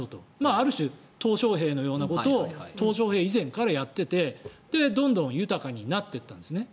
ある種トウ・ショウヘイのようなことをトウ・ショウヘイ以前からやっていてどんどん豊かになっていったんですね。